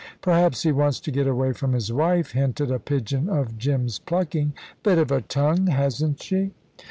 "Perhaps he wants to get away from his wife," hinted a pigeon of Jim's plucking. "Bit of a tongue, hasn't she?"